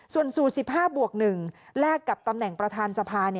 ส่วนสูตร๑๕บวก๑แลกกับตำแหน่งประธานสภา